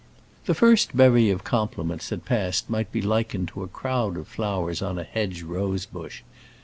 The first bevy of compliments that passed might be likened to a crowd of flowers on a hedge rosebush.